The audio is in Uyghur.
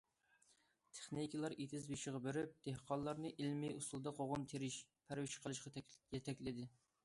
تېخنىكلار ئېتىز بېشىغا بېرىپ، دېھقانلارنى ئىلمىي ئۇسۇلدا قوغۇن تېرىش، پەرۋىش قىلىشقا يېتەكلىدى.